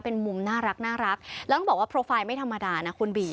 เป็นมุมน่ารักแล้วต้องบอกว่าโปรไฟล์ไม่ธรรมดานะคุณบี